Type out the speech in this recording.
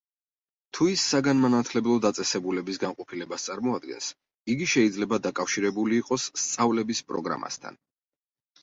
თუ ის საგანმანათლებლო დაწესებულების განყოფილებას წარმოადგენს, იგი შეიძლება დაკავშირებული იყოს სწავლების პროგრამასთან.